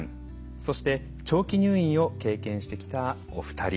そして、長期入院を経験してきたお二人。